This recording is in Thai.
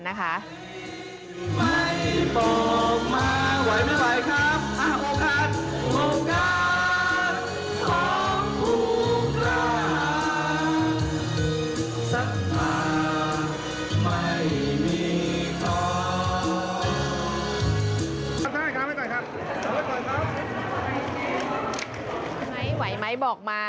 ไหวไหมบอกมา